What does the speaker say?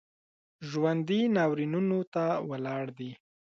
ژوندي ناورینونو ته ولاړ دي